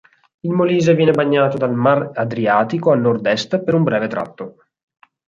Il Molise viene bagnato dal Mar Adriatico a Nord-est per un breve tratto.